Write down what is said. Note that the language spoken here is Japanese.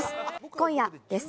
今夜です。